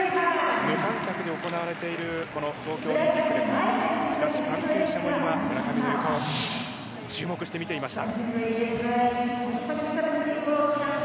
無観客で行われているこの東京オリンピックですがしかし関係者も村上のゆかを注目して見ていました。